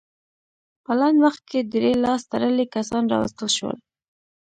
په لنډ وخت کې درې لاس تړلي کسان راوستل شول.